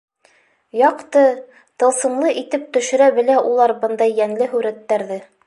Яҡты, тылсымлы итеп төшөрә белә улар бындай йәнле һүрәттәрҙе.